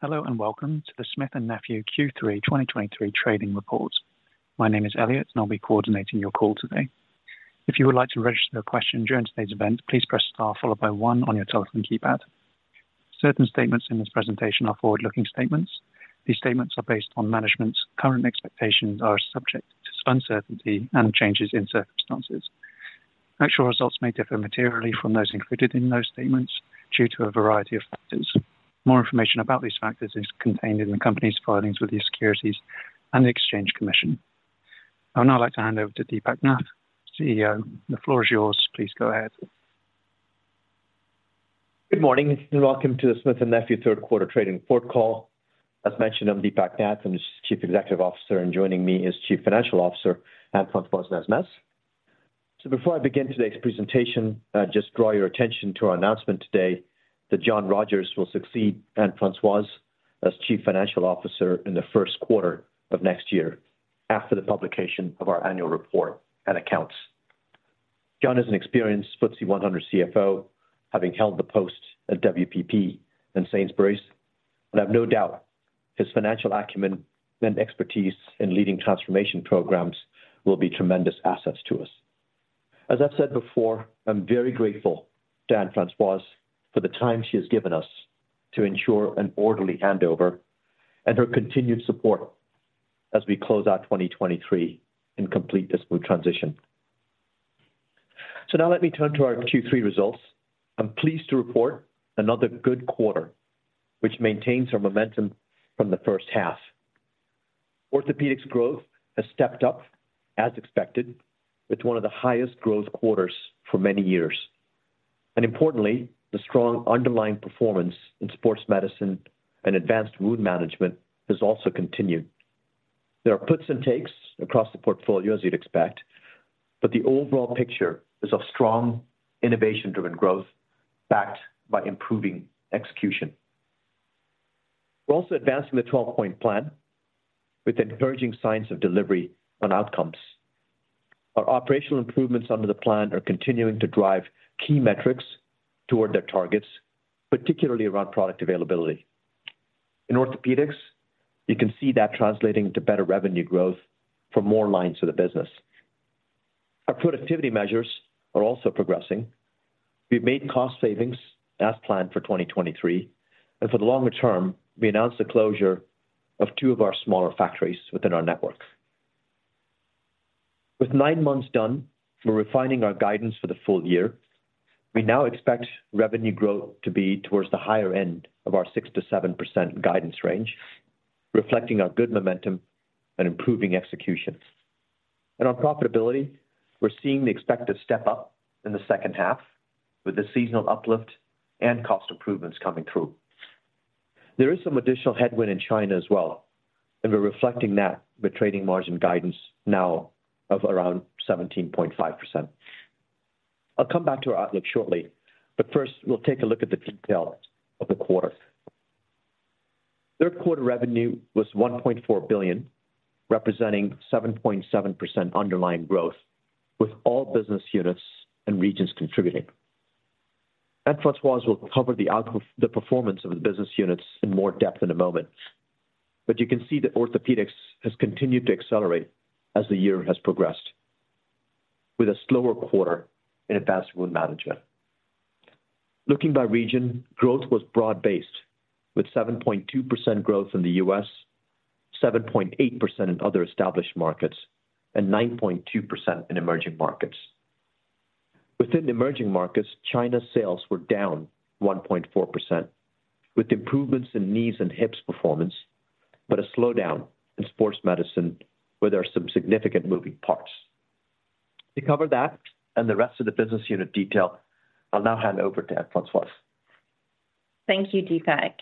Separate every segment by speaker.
Speaker 1: Hello, and welcome to the Smith & Nephew Q3 2023 trading report. My name is Elliot, and I'll be coordinating your call today. If you would like to register a question during today's event, please press Star followed by one on your telephone keypad. Certain statements in this presentation are forward-looking statements. These statements are based on management's current expectations, are subject to uncertainty and changes in circumstances. Actual results may differ materially from those included in those statements due to a variety of factors. More information about these factors is contained in the company's filings with the Securities and Exchange Commission. I would now like to hand over to Deepak Nath, CEO. The floor is yours. Please go ahead.
Speaker 2: Good morning, and welcome to the Smith & Nephew third quarter trading report call. As mentioned, I'm Deepak Nath, I'm the Chief Executive Officer, and joining me is Chief Financial Officer, Anne-Françoise Nesmes. Before I begin today's presentation, just draw your attention to our announcement today that John Rogers will succeed Anne-Françoise as Chief Financial Officer in the first quarter of next year after the publication of our annual report and accounts. John is an experienced FTSE 100 CFO, having held the post at WPP and Sainsbury's, and I have no doubt his financial acumen and expertise in leading transformation programs will be tremendous assets to us. As I've said before, I'm very grateful to Anne-Françoise for the time she has given us to ensure an orderly handover and her continued support as we close out 2023 and complete the smooth transition. So now let me turn to our Q3 results. I'm pleased to report another good quarter, which maintains our momentum from the first half. Orthopaedics growth has stepped up as expected, with one of the highest growth quarters for many years. Importantly, the strong underlying performance in Sports Medicine and Advanced Wound Management has also continued. There are puts and takes across the portfolio, as you'd expect, but the overall picture is of strong, innovation-driven growth, backed by improving execution. We're also advancing the 12-Point Plan with encouraging signs of delivery on outcomes. Our operational improvements under the plan are continuing to drive key metrics toward their targets, particularly around product availability. In Orthopaedics, you can see that translating into better revenue growth for more lines of the business. Our productivity measures are also progressing. We've made cost savings as planned for 2023, and for the longer term, we announced the closure of two of our smaller factories within our network. With nine months done, we're refining our guidance for the full year. We now expect revenue growth to be towards the higher end of our 6%-7% guidance range, reflecting our good momentum and improving execution. In our profitability, we're seeing the expected step up in the second half, with the seasonal uplift and cost improvements coming through. There is some additional headwind in China as well, and we're reflecting that with trading margin guidance now of around 17.5%. I'll come back to our outlook shortly, but first, we'll take a look at the details of the quarter. Third quarter revenue was $1.4 billion, representing 7.7% underlying growth, with all business units and regions contributing. Anne-Françoise will cover the performance of the business units in more depth in a moment, but you can see that Orthopaedics has continued to accelerate as the year has progressed, with a slower quarter in Advanced Wound Management. Looking by region, growth was broad-based, with 7.2% growth in the U.S., 7.8% in other established markets, and 9.2% in emerging markets. Within the emerging markets, China's sales were down 1.4%, with improvements in knees and hips performance, but a slowdown in Sports Medicine, where there are some significant moving parts. To cover that and the rest of the business unit detail, I'll now hand over to Anne-Françoise.
Speaker 3: Thank you, Deepak.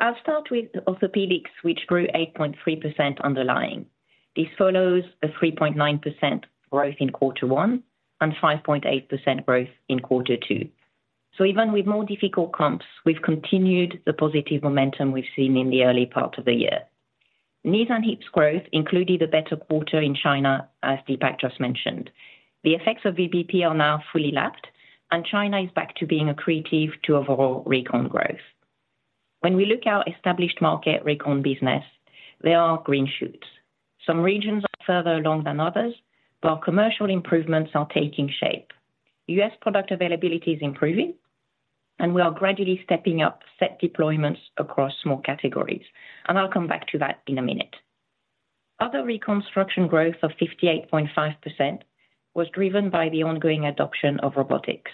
Speaker 3: I'll start with Orthopaedics, which grew 8.3% underlying. This follows a 3.9% growth in quarter one and 5.8% growth in quarter two. Even with more difficult comps, we've continued the positive momentum we've seen in the early part of the year. Knees and hips growth included a better quarter in China, as Deepak just mentioned. The effects of VBP are now fully lapped, and China is back to being accretive to overall recon growth. When we look at our established market recon business, there are green shoots. Some regions are further along than others, but our commercial improvements are taking shape. U.S. product availability is improving, and we are gradually stepping up set deployments across more categories, and I'll come back to that in a minute. Other Reconstruction growth of 58.5% was driven by the ongoing adoption of robotics.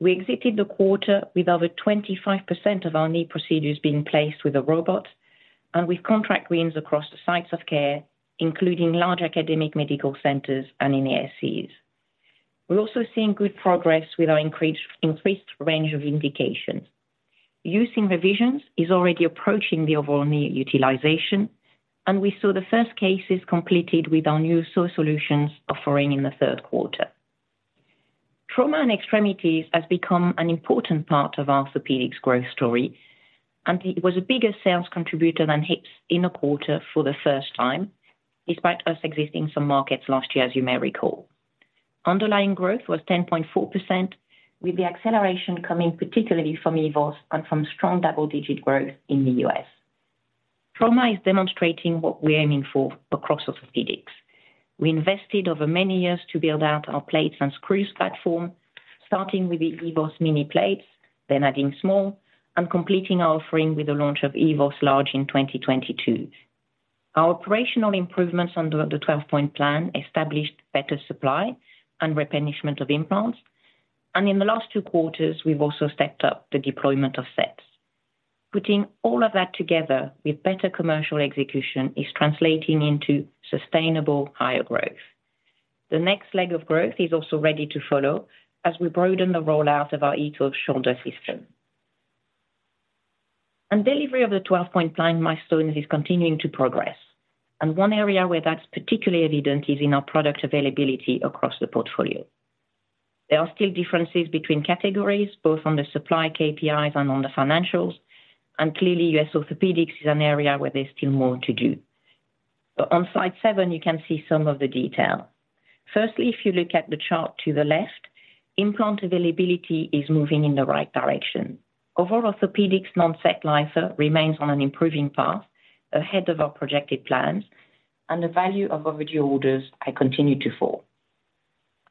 Speaker 3: We exited the quarter with over 25% of our knee procedures being placed with a robot, and with contract wins across the sites of care, including large academic medical centers and in ASCs. We're also seeing good progress with our increased range of indications. OXINIUM revisions is already approaching the overall knee utilization, and we saw the first cases completed with our new offering in the third quarter. Trauma and Extremities has become an important part of our Orthopaedics growth story, and it was a bigger sales contributor than hips in the quarter for the first time So despite us exiting some markets last year, as you may recall. Underlying growth was 10.4%, with the acceleration coming particularly from EVOS and from strong double-digit growth in the U.S. Trauma is demonstrating what we are aiming for across Orthopaedics. We invested over many years to build out our plates and screws platform, starting with the EVOS Mini plates, then adding small, and completing our offering with the launch of EVOS Large in 2022. Our operational improvements under the 12-Point Plan established better supply and replenishment of implants, and in the last two quarters, we've also stepped up the deployment of sets. Putting all of that together with better commercial execution, is translating into sustainable higher growth. The next leg of growth is also ready to follow as we broaden the rollout of our AETOS shoulder system. Delivery of the 12-Point Plan milestones is continuing to progress, and one area where that's particularly evident is in our product availability across the portfolio. There are still differences between categories, both on the supply KPIs and on the financials, and clearly, U.S. Orthopaedics is an area where there's still more to do. But on slide 7, you can see some of the detail. Firstly, if you look at the chart to the left, implant availability is moving in the right direction. Overall, Orthopaedics non-set Life remains on an improving path ahead of our projected plans, and the value of overdue orders have continued to fall.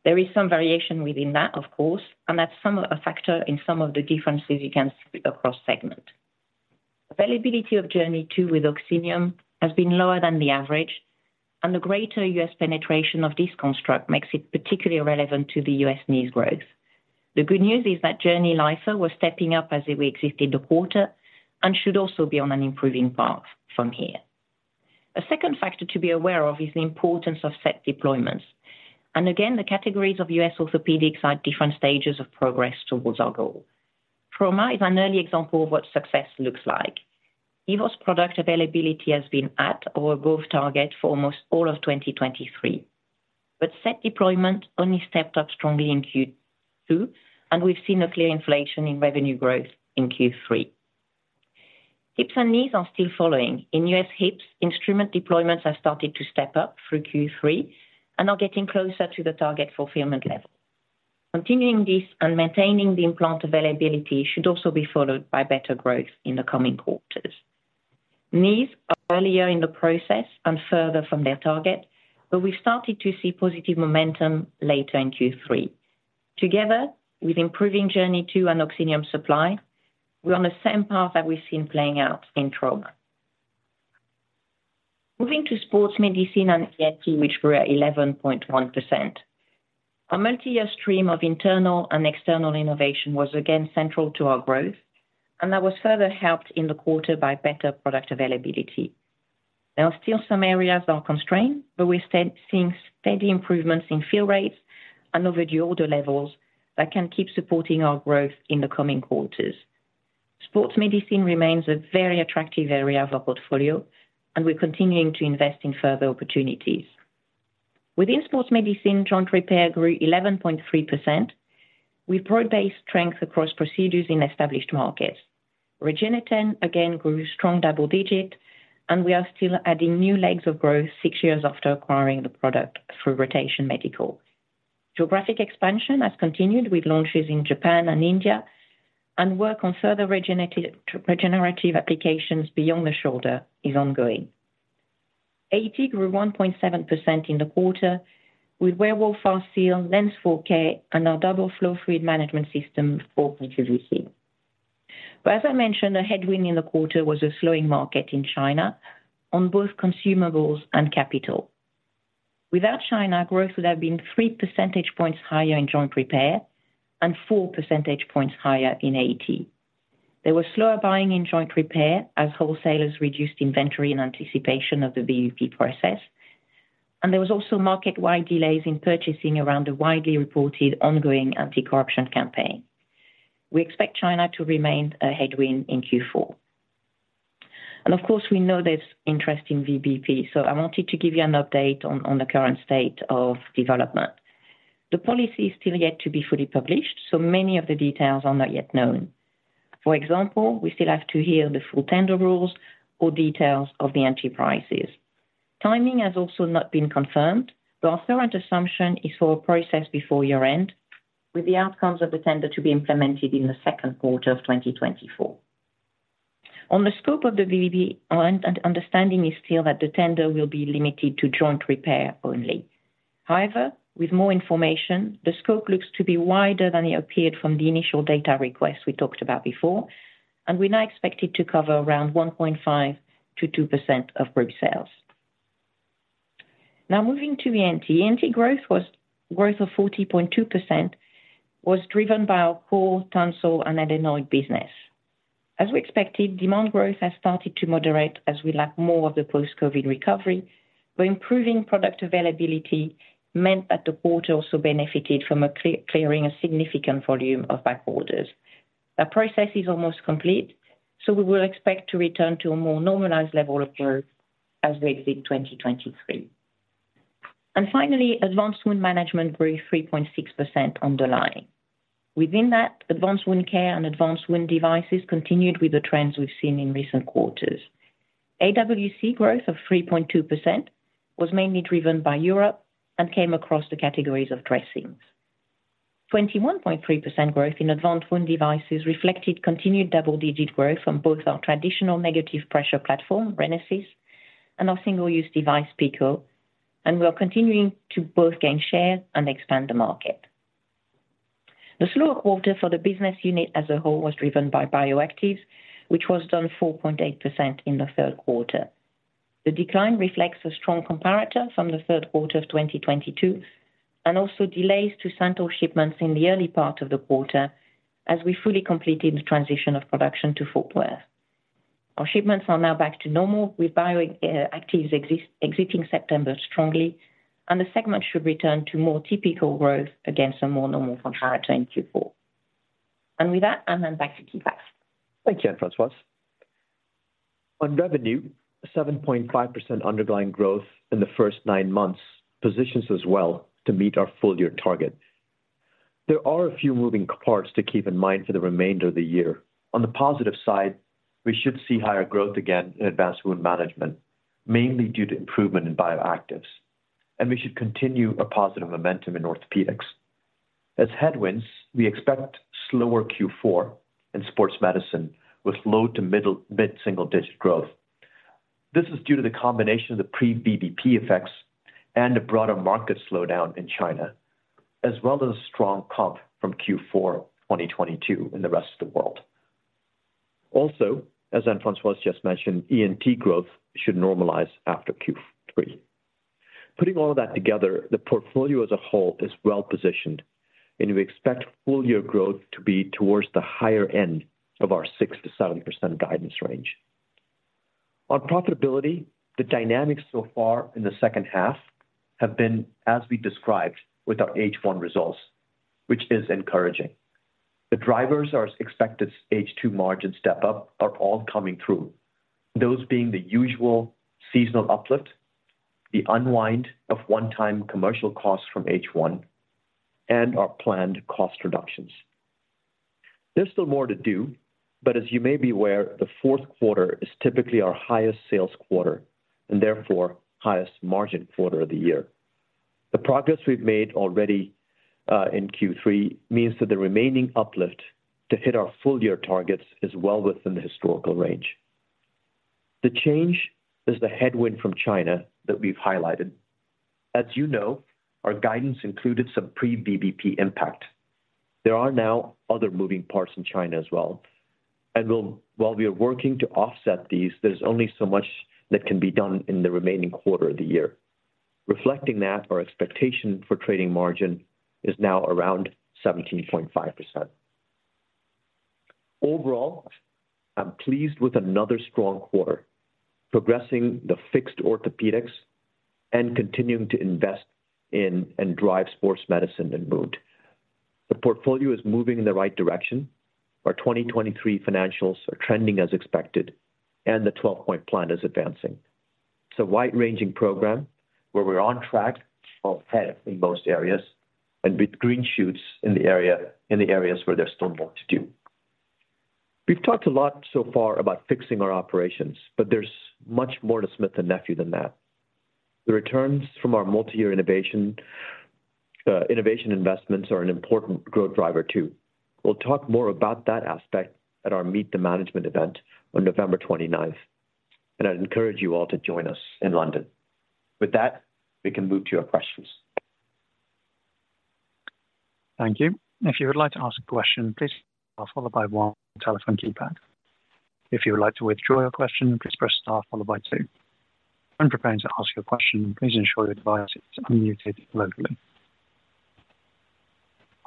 Speaker 3: There is some variation within that, of course, and that's a factor in some of the differences you can see across segment. Availability of JOURNEY II with OXINIUM has been lower than the average, and the greater U.S. penetration of this construct makes it particularly relevant to the U.S. knees growth. The good news is that JOURNEY LIF was stepping up as we exit the quarter, and should also be on an improving path from here. A second factor to be aware of is the importance of set deployments. And again, the categories of U.S. Orthopaedics are at different stages of progress towards our goal. Trauma is an early example of what success looks like. EVOS product availability has been at or above target for almost all of 2023, but set deployment only stepped up strongly in Q2, and we've seen a clear inflation in revenue growth in Q3. Hips and knees are still following. In U.S. hips, instrument deployments have started to step up through Q3 and are getting closer to the target fulfillment level. Continuing this and maintaining the implant availability should also be followed by better growth in the coming quarters. Knees are earlier in the process and further from their target, but we've started to see positive momentum later in Q3. Together with improving JOURNEY II and OXINIUM supply, we're on the same path that we've seen playing out in trauma. Moving to Sports Medicine and AET, which were at 11.1%. Our multi-year stream of internal and external innovation was again central to our growth, and that was further helped in the quarter by better product availability. There are still some areas that are constrained, but we're still seeing steady improvements in fill rates and overdue order levels that can keep supporting our growth in the coming quarters. Sports Medicine remains a very attractive area of our portfolio, and we're continuing to invest in further opportunities. Within Sports Medicine, Joint Repair grew 11.3%. We've brought base strength across procedures in established markets. REGENETEN again grew strong double-digit, and we are still adding new legs of growth six years after acquiring the product through Rotation Medical. Geographic expansion has continued with launches in Japan and India, and work on further regenerative applications beyond the shoulder is ongoing. AT grew 1.7% in the quarter, with WEREWOLF FastSeal, LENS 4K, and our DoubleFlo fluid management system for ASCs. But as I mentioned, the headwind in the quarter was a slowing market in China on both consumables and capital. Without China, growth would have been three percentage points higher in joint repair and four percentage points higher in AT. There was slower buying in joint repair as wholesalers reduced inventory in anticipation of the VBP process, and there was also market-wide delays in purchasing around the widely reported ongoing anti-corruption campaign. We expect China to remain a headwind in Q4. Of course, we know there's interest in VBP, so I wanted to give you an update on the current state of development. The policy is still yet to be fully published, so many of the details are not yet known. For example, we still have to hear the full tender rules or details of the entry prices. Timing has also not been confirmed, but our current assumption is for a process before year-end, with the outcomes of the tender to be implemented in the second quarter of 2024. On the scope of the VBP, our understanding is still that the tender will be limited to Joint Repair only. However, with more information, the scope looks to be wider than it appeared from the initial data request we talked about before, and we now expect it to cover around 1.5%-2% of group sales. Now, moving to the ENT. ENT growth was 40.2%, driven by our core tonsil and adenoid business. As we expected, demand growth has started to moderate as we lap more of the post-COVID recovery, but improving product availability meant that the quarter also benefited from clearing a significant volume of backorders. That process is almost complete, so we will expect to return to a more normalized level of growth as we exit 2023. And finally, Advanced Wound Management grew 3.6% underlying. Within that, Advanced Wound Care and Advanced Wound Devices continued with the trends we've seen in recent quarters. AWC growth of 3.2% was mainly driven by Europe and came across the categories of dressings. 21.3% growth in Advanced Wound Devices reflected continued double-digit growth from both our traditional negative pressure platform, RENASYS, and our single-use device, PICO. We are continuing to both gain share and expand the market. The slower quarter for the business unit as a whole was driven by Bioactives, which was down 4.8% in the third quarter. The decline reflects a strong comparator from the third quarter of 2022, and also delays to central shipments in the early part of the quarter as we fully completed the transition of production to Fort Worth. Our shipments are now back to normal, with Bioactives exiting September strongly, and the segment should return to more typical growth against a more normal comparator in Q4. With that, I hand back to Deepak Nath.
Speaker 2: Thank you, Anne-Françoise. On revenue, 7.5% underlying growth in the first nine months positions us well to meet our full-year target. There are a few moving parts to keep in mind for the remainder of the year. On the positive side, we should see higher growth again in Advanced Wound Management, mainly due to improvement in Bioactives, and we should continue a positive momentum in Orthopaedics. As headwinds, we expect slower Q4 in Sports Medicine with low- to mid-single-digit growth. This is due to the combination of the pre-VBP effects and a broader market slowdown in China, as well as strong comp from Q4 2022 in the rest of the world. Also, as Anne-Françoise just mentioned, ENT growth should normalize after Q3. Putting all of that together, the portfolio as a whole is well positioned, and we expect full-year growth to be towards the higher end of our 6%-7% guidance range. On profitability, the dynamics so far in the second half have been as we described with our H1 results, which is encouraging. The drivers are expected H2 margin step-up are all coming through, those being the usual seasonal uplift, the unwind of one-time commercial costs from H1, and our planned cost reductions. There's still more to do, but as you may be aware, the fourth quarter is typically our highest sales quarter and therefore highest margin quarter of the year. The progress we've made already in Q3 means that the remaining uplift to hit our full-year targets is well within the historical range. The change is the headwind from China that we've highlighted. As you know, our guidance included some pre-VBP impact. There are now other moving parts in China as well, and we'll, while we are working to offset these, there's only so much that can be done in the remaining quarter of the year. Reflecting that, our expectation for trading margin is now around 17.5%. Overall, I'm pleased with another strong quarter, progressing the fixed Orthopaedics and continuing to invest in and drive Sports Medicine and wound. The portfolio is moving in the right direction. Our 2023 financials are trending as expected, and the 12-point plan is advancing. It's a wide-ranging program where we're on track or ahead in most areas and with green shoots in the area, in the areas where there's still more to do. We've talked a lot so far about fixing our operations, but there's much more to Smith & Nephew than that. The returns from our multi-year innovation investments are an important growth driver, too. We'll talk more about that aspect at our Meet the Management event on November twenty-ninth, and I'd encourage you all to join us in London. With that, we can move to your questions.
Speaker 1: Thank you. If you would like to ask a question, please press star, followed by one on your telephone keypad. If you would like to withdraw your question, please press star followed by two. When preparing to ask your question, please ensure your device is unmuted locally.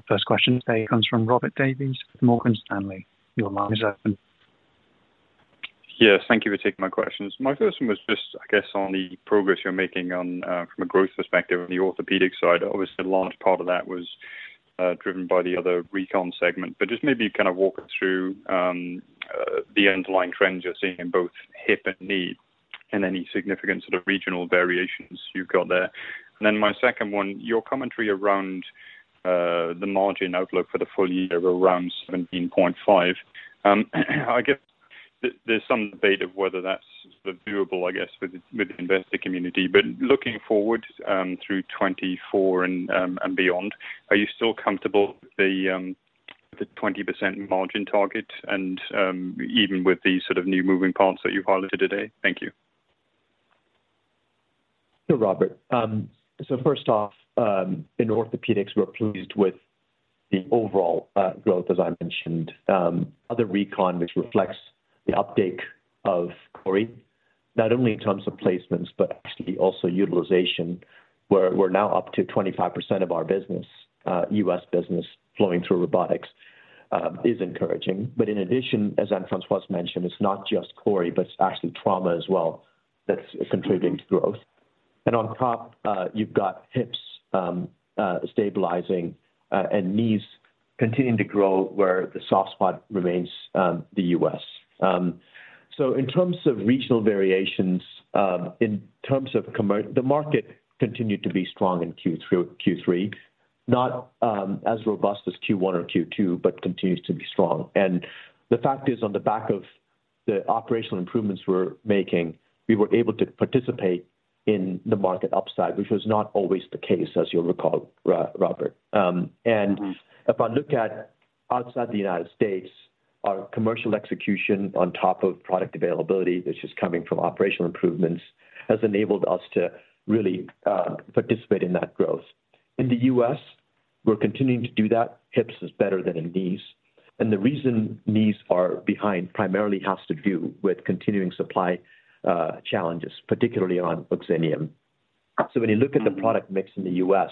Speaker 1: First question today comes from Robert Davies with Morgan Stanley. Your line is open.
Speaker 4: Yes, thank you for taking my questions. My first one was just, I guess, on the progress you're making on, from a growth perspective on the Orthopaedics side. Obviously, a large part of that was, driven by the other Recon segment, but just maybe kind of walk us through, the underlying trends you're seeing in both hip and knee and any significant sort of regional variations you've got there. And then my second one, your commentary around, the margin outlook for the full year were around 17.5%. I guess there's some debate of whether that's sort of doable, I guess, with the, with the investor community. But looking forward, through 2024 and, and beyond, are you still comfortable with the, the 20% margin target and, even with the sort of new moving parts that you've highlighted today? Thank you.
Speaker 2: Sure, Robert. So first off, in Orthopaedics, we're pleased with the overall growth, as I mentioned. Other Recon, which reflects the uptake of CORI, not only in terms of placements, but actually also utilization, where we're now up to 25% of our business, US business flowing through robotics, is encouraging. But in addition, as Anne-Françoise mentioned, it's not just CORI, but it's actually trauma as well, that's contributing to growth. And on top, you've got hips, stabilizing, and knees continuing to grow where the soft spot remains, the US. So in terms of regional variations, the market continued to be strong in Q3. Not as robust as Q1 or Q2, but continues to be strong. The fact is, on the back of the operational improvements we're making, we were able to participate in the market upside, which was not always the case, as you'll recall, Robert. And if I look outside the United States, our commercial execution on top of product availability, which is coming from operational improvements, has enabled us to really participate in that growth. In the U.S., we're continuing to do that. Hips is better than in knees, and the reason knees are behind primarily has to do with continuing supply challenges, particularly on OXINIUM. So when you look at the product mix in the U.S.,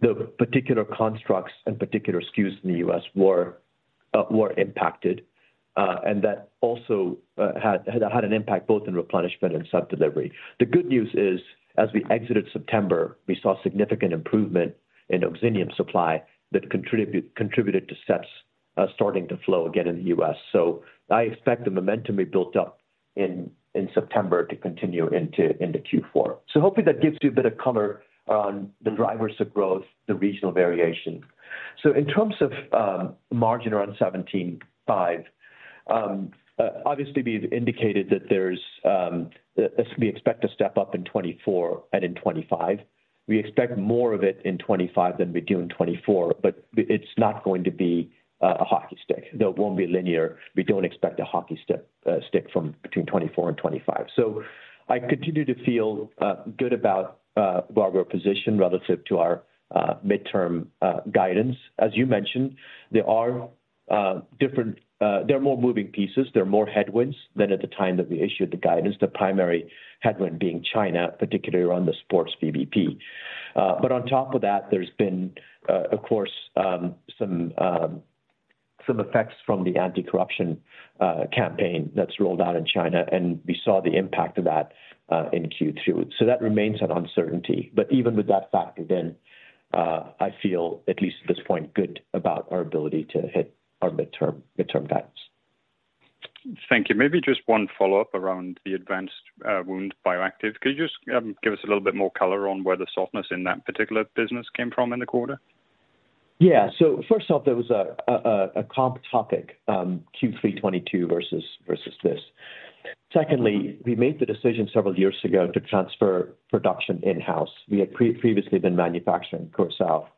Speaker 2: the particular constructs and particular SKUs in the U.S. were impacted, and that also had an impact both in replenishment and sub delivery. The good news is, as we exited September, we saw significant improvement in OXINIUM supply that contributed to sets starting to flow again in the U.S. So I expect the momentum we built up in September to continue into Q4. So hopefully that gives you a bit of color on the drivers of growth, the regional variation. So in terms of margin around 17.5%, obviously, we've indicated that there's that we expect to step up in 2024 and in 2025. We expect more of it in 2025 than we do in 2024, but it's not going to be a hockey stick. Though it won't be linear, we don't expect a hockey stick from between 2024 and 2025. So I continue to feel good about where we're positioned relative to our midterm guidance. As you mentioned, there are more moving pieces. There are more headwinds than at the time that we issued the guidance, the primary headwind being China, particularly around the sports VBP. But on top of that, there's been, of course, some effects from the anti-corruption campaign that's rolled out in China, and we saw the impact of that in Q2. So that remains an uncertainty. But even with that factor, then, I feel, at least at this point, good about our ability to hit our midterm guidance.
Speaker 4: Thank you. Maybe just one follow-up around the advanced wound bioactives. Could you just give us a little bit more color on where the softness in that particular business came from in the quarter?
Speaker 2: Yeah. So first off, there was a comp topic, Q3 2022 versus this. Secondly, we made the decision several years ago to transfer production in-house. We had previously been manufacturing for ourselves,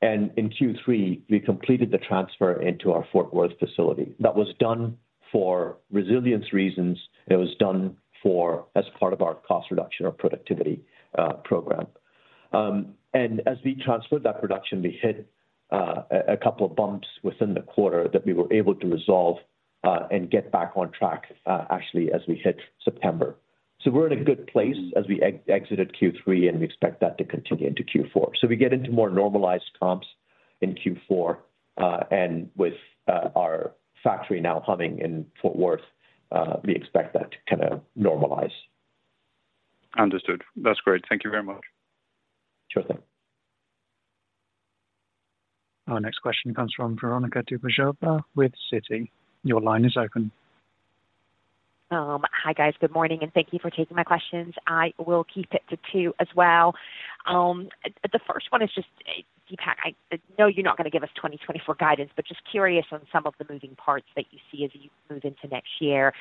Speaker 2: and in Q3, we completed the transfer into our Fort Worth facility. That was done for resilience reasons. It was done as part of our cost reduction or productivity program. And as we transferred that production, we hit a couple of bumps within the quarter that we were able to resolve and get back on track, actually, as we hit September. So we're in a good place as we exited Q3, and we expect that to continue into Q4. So we get into more normalized comps in Q4, and with our factory now humming in Fort Worth, we expect that to kind of normalize.
Speaker 4: Understood. That's great. Thank you very much.
Speaker 2: Sure thing.
Speaker 1: Our next question comes from Veronika Dubajova with Citi. Your line is open.
Speaker 5: Hi, guys. Good morning, and thank you for taking my questions. I will keep it to two as well. The first one is just, Deepak, I know you're not going to give us 2024 guidance, but just curious on some of the moving parts that you see as you move into next year.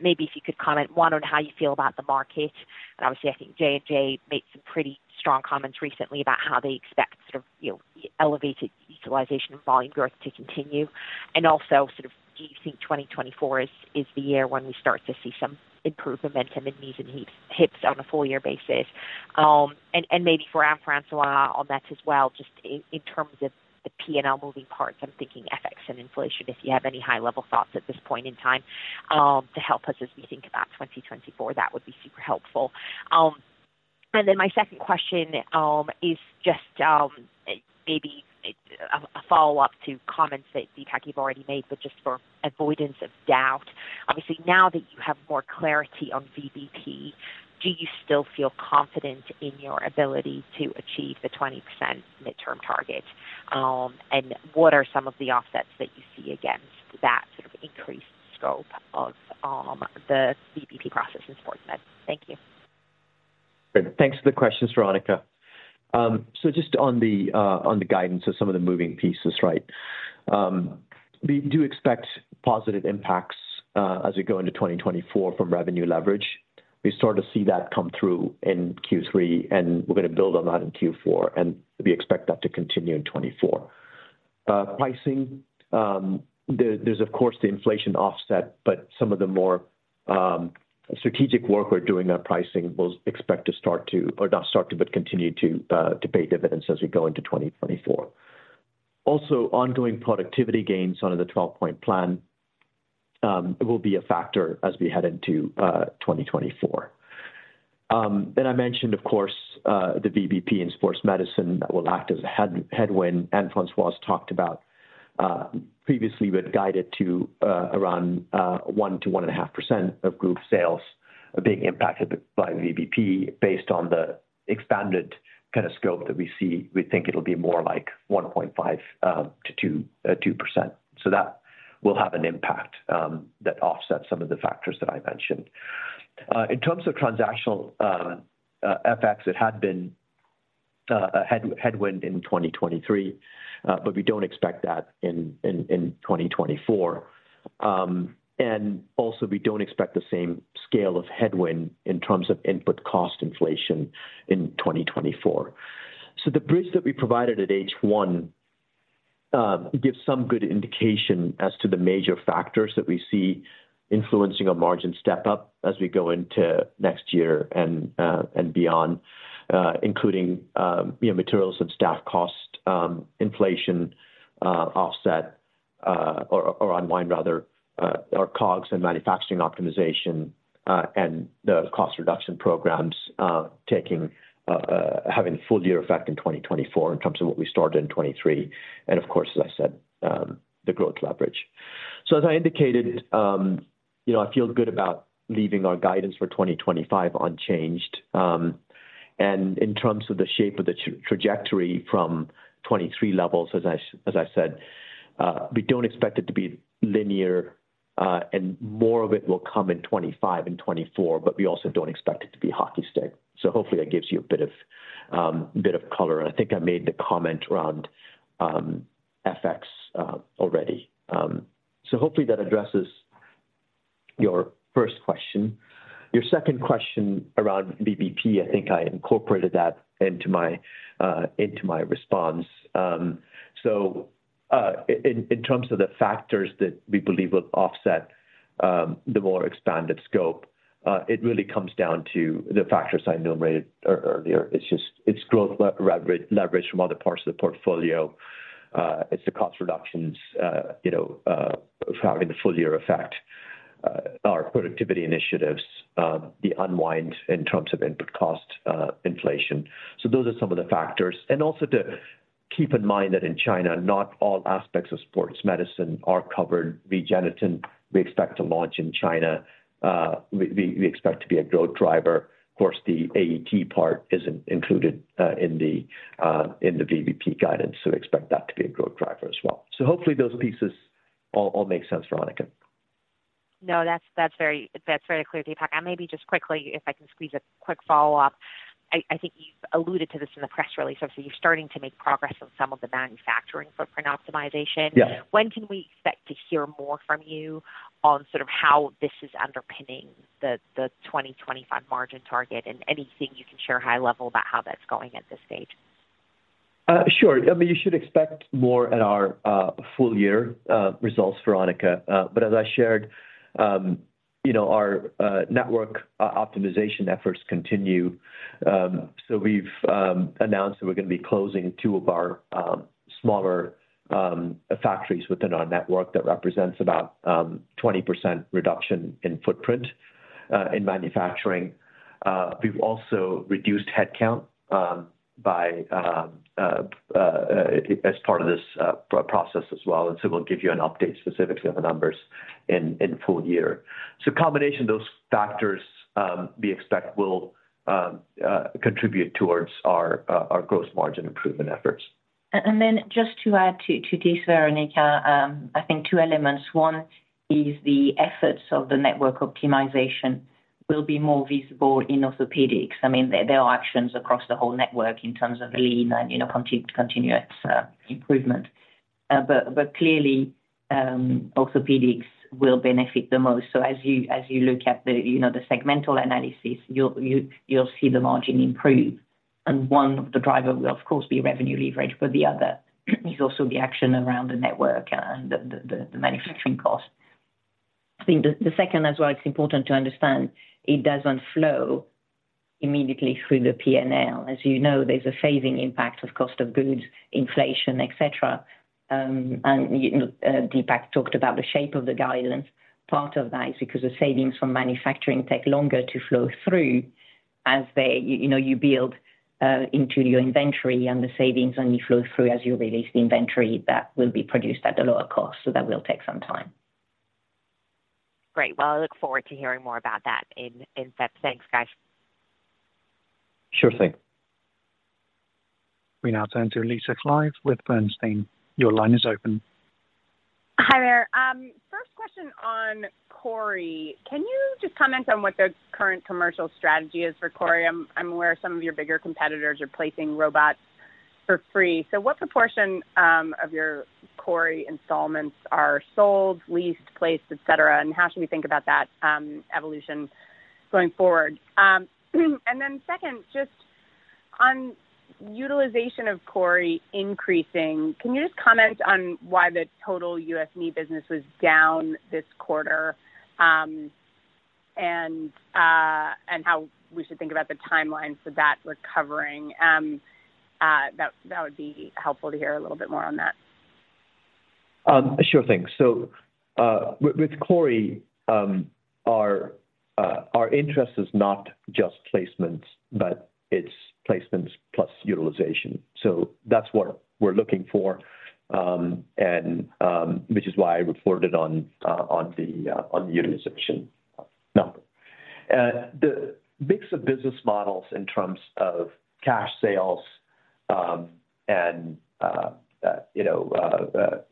Speaker 5: Maybe if you could comment, one, on how you feel about the market. And obviously, I think J&J made some pretty strong comments recently about how they expect sort of, you know, elevated utilization and volume growth to continue. And also, sort of, do you think 2024 is the year when we start to see some improved momentum in knees and hips, hips on a full year basis? And maybe for Françoise on that as well, just in terms of the P&L moving parts, I'm thinking FX and inflation, if you have any high-level thoughts at this point in time, to help us as we think about 2024, that would be super helpful. And then my second question is just maybe a follow-up to comments that, Deepak, you've already made, but just for avoidance of doubt. Obviously, now that you have more clarity on VBP, do you still feel confident in your ability to achieve the 20% midterm target? And what are some of the offsets that you see against that sort of increased scope of the VBP process in sports med? Thank you.
Speaker 2: Great. Thanks for the questions, Veronika. So just on the guidance of some of the moving pieces, right? We do expect positive impacts as we go into 2024 from revenue leverage. We start to see that come through in Q3, and we're going to build on that in Q4, and we expect that to continue in 2024. Pricing, there, there's, of course, the inflation offset, but some of the more strategic work we're doing on pricing, we'll expect to start to, or not start to, but continue to pay dividends as we go into 2024. Also, ongoing productivity gains under the 12-Point Plan will be a factor as we head into 2024. Then I mentioned, of course, the VBP in Sports Medicine that will act as a headwind. Françoise talked about, previously, we had guided to, around, one to 1.5% of group sales being impacted by VBP. Based on the expanded kind of scope that we see, we think it'll be more like 1.5%-2%. So that will have an impact, that offsets some of the factors that I mentioned. In terms of transactional FX, it had been a headwind in 2023, but we don't expect that in 2024. And also we don't expect the same scale of headwind in terms of input cost inflation in 2024. So the bridge that we provided at H1 gives some good indication as to the major factors that we see influencing our margin step up as we go into next year and, and beyond, including, you know, materials and staff cost, inflation, offset, or, or unwind rather, or COGS and manufacturing optimization, and the cost reduction programs, taking, having full year effect in 2024 in terms of what we started in 2023, and of course, as I said, the growth leverage. So as I indicated, you know, I feel good about leaving our guidance for 2025 unchanged. And in terms of the shape of the trajectory from 2023 levels, as I said, we don't expect it to be linear, and more of it will come in 2025 and 2024, but we also don't expect it to be hockey stick. So hopefully that gives you a bit of color. I think I made the comment around FX already. So hopefully that addresses your first question. Your second question around VBP, I think I incorporated that into my response. So, in terms of the factors that we believe will offset the more expanded scope, it really comes down to the factors I enumerated earlier. It's just growth leverage from other parts of the portfolio. It's the cost reductions, you know, having the full year effect, our productivity initiatives, the unwind in terms of input cost inflation. So those are some of the factors. And also to keep in mind that in China, not all aspects of sports medicine are covered. REGENETEN, we expect to launch in China, we expect to be a growth driver. Of course, the AET part isn't included in the VBP guidance, so we expect that to be a growth driver as well. So hopefully those pieces all make sense, Veronika.
Speaker 5: No, that's, that's very, that's very clear, Deepak. Maybe just quickly, if I can squeeze a quick follow-up. I, I think you've alluded to this in the press release, so you're starting to make progress on some of the manufacturing footprint optimization.
Speaker 2: Yeah.
Speaker 5: When can we expect to hear more from you on sort of how this is underpinning the 2025 margin target and anything you can share high level about how that's going at this stage?
Speaker 2: Sure. I mean, you should expect more at our full year results, Veronica. But as I shared, you know, our network optimization efforts continue. So we've announced that we're going to be closing two of our smaller factories within our network. That represents about 20% reduction in footprint in manufacturing. We've also reduced headcount by as part of this process as well, and so we'll give you an update specifically on the numbers in full year. So combination, those factors, we expect will contribute towards our growth margin improvement efforts.
Speaker 3: And then just to add to this, Veronika, I think two elements. One is the efforts of the network optimization will be more visible in Orthopaedics. I mean, there are actions across the whole network in terms of lean and, you know, continuous improvement. But clearly, Orthopaedics will benefit the most. So as you look at the segmental analysis, you'll see the margin improve, and one of the driver will, of course, be revenue leverage, but the other is also the action around the network and the manufacturing cost. I think the second as well, it's important to understand it doesn't flow immediately through the P&L. As you know, there's a phasing impact of cost of goods, inflation, et cetera. And you know, Deepak talked about the shape of the guidance. Part of that is because the savings from manufacturing take longer to flow through as they, you know, you build into your inventory and the savings, and you flow through as you release the inventory that will be produced at a lower cost, so that will take some time.
Speaker 5: Great. Well, I look forward to hearing more about that in depth. Thanks, guys.
Speaker 2: Sure thing.
Speaker 1: We now turn to Lisa Clive with Bernstein. Your line is open.
Speaker 6: Hi there. First question on CORI. Can you just comment on what the current commercial strategy is for CORI? I'm aware some of your bigger competitors are placing robots for free. So what proportion of your CORI installments are sold, leased, placed, et cetera, and how should we think about that evolution going forward? And then second, just on utilization of CORI increasing, can you just comment on why the total US knee business was down this quarter, and how we should think about the timelines for that recovering? That would be helpful to hear a little bit more on that.
Speaker 2: Sure thing. So, with CORI, our interest is not just placements, but it's placements plus utilization. So that's what we're looking for, and which is why I reported on the utilization number. The mix of business models in terms of cash sales, and you know,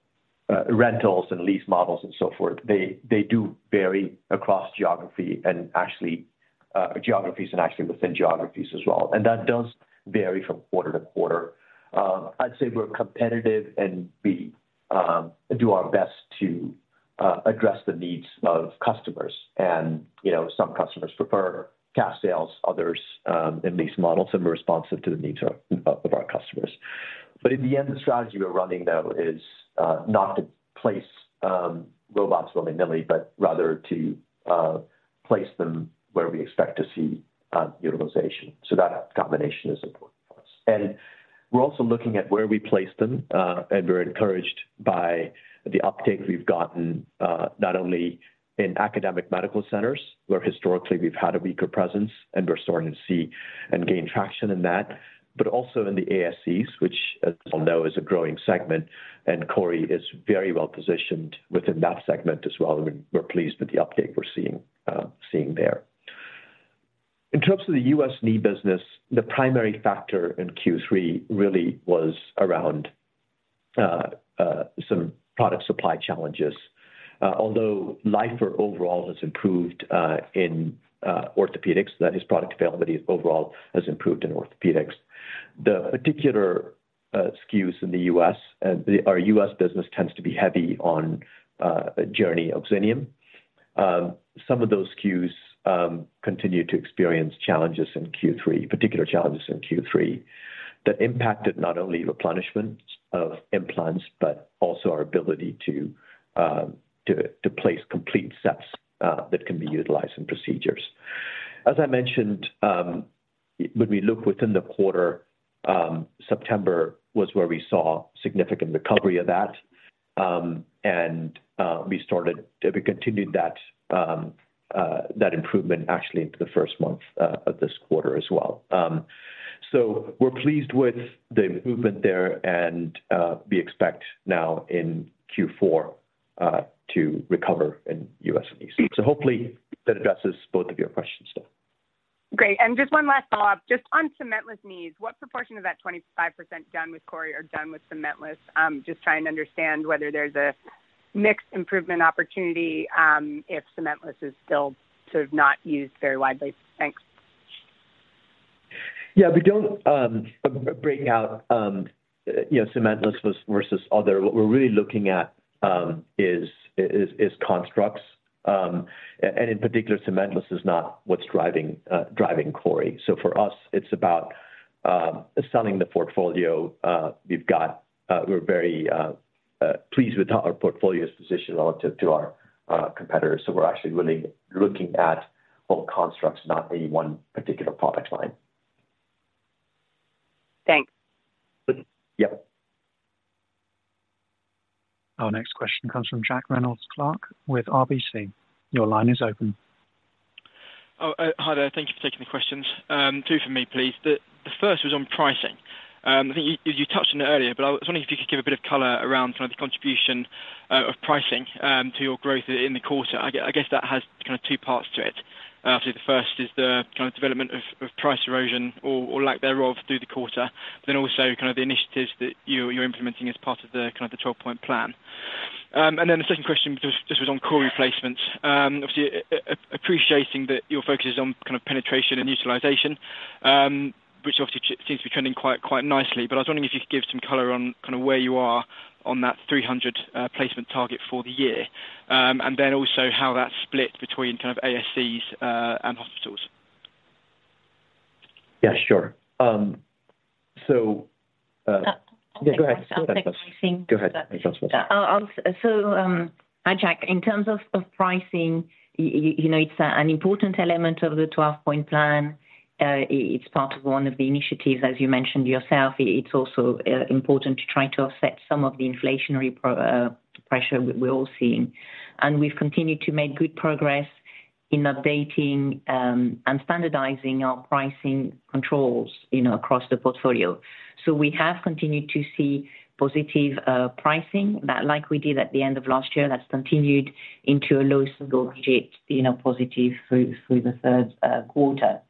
Speaker 2: rentals and lease models and so forth, they do vary across geography and actually, geographies and actually within geographies as well, and that does vary from quarter to quarter. I'd say we're competitive, and we do our best to address the needs of customers. You know, some customers prefer cash sales, others and lease models, and we're responsive to the needs of our customers. In the end, the strategy we're running, though, is not to place robots willy-nilly, but rather to place them where we expect to see utilization. That combination is important for us. We're also looking at where we place them, and we're encouraged by the uptake we've gotten, not only in academic medical centers, where historically we've had a weaker presence, and we're starting to see and gain traction in that, but also in the ASCs, which, as I know, is a growing segment, and CORI is very well positioned within that segment as well, and we're pleased with the uptake we're seeing there. In terms of the U.S. knee business, the primary factor in Q3 really was around some product supply challenges. Although life overall has improved in Orthopaedics, that is, product availability overall has improved in Orthopaedics. The particular SKUs in the U.S., and our U.S. business tends to be heavy on JOURNEY OXINIUM. Some of those SKUs continue to experience challenges in Q3, particular challenges in Q3, that impacted not only replenishment of implants, but also our ability to place complete sets that can be utilized in procedures. As I mentioned, when we look within the quarter, September was where we saw significant recovery of that, and we started to continue that improvement actually into the first month of this quarter as well. So we're pleased with the movement there, and we expect now in Q4 to recover in U.S. knee. Hopefully that addresses both of your questions, though.
Speaker 6: Great. Just one last follow-up. Just on cementless knees, what proportion of that 25% done with CORI are done with cementless? Just trying to understand whether there's a mixed improvement opportunity, if cementless is still sort of not used very widely. Thanks.
Speaker 2: Yeah, we don't break out, you know, cementless versus other. What we're really looking at is constructs, and in particular, cementless is not what's driving CORI. So for us, it's about selling the portfolio we've got. We're very pleased with how our portfolio is positioned relative to our competitors. So we're actually really looking at all constructs, not any one particular product line.
Speaker 6: Thanks.
Speaker 2: Yep.
Speaker 1: Our next question comes from Jack Reynolds-Clark with RBC. Your line is open.
Speaker 7: Oh, hi there. Thank you for taking the questions. Two for me, please. The first was on pricing. I think you touched on it earlier, but I was wondering if you could give a bit of color around kind of the contribution of pricing to your growth in the quarter. I guess that has kind of two parts to it. The first is the kind of development of price erosion or lack thereof through the quarter, then also kind of the initiatives that you're implementing as part of the 12-Point Plan. And then the second question just was on core replacements. Obviously, appreciating that your focus is on kind of penetration and utilization, which obviously seems to be trending quite nicely. I was wondering if you could give some color on kind of where you are on that 300 placement target for the year, and then also how that's split between kind of ASCs and hospitals?
Speaker 2: Yeah, sure.
Speaker 3: Uh-
Speaker 2: Yeah, go ahead.
Speaker 3: I think-
Speaker 2: Go ahead.
Speaker 3: Hi, Jack. In terms of pricing, you know, it's an important element of the 12-Point Plan. It's part of one of the initiatives, as you mentioned yourself. It's also important to try to offset some of the inflationary pressure we're all seeing. And we've continued to make good progress in updating and standardizing our pricing controls, you know, across the portfolio. So we have continued to see positive pricing, that like we did at the end of last year, that's continued into a low single digits, you know, positive through the third quarter.